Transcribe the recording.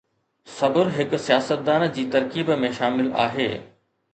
صبر هڪ سياستدان جي ترڪيب ۾ شامل آهي.